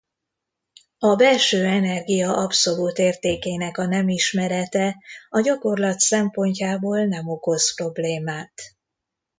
A belső energia abszolút értékének a nem ismerete a gyakorlat szempontjából nem okoz problémát.